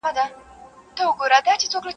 پر او خور چي دي لوى کړی وي، غاښ ئې مه گوره.